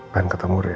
mahin ketemu rena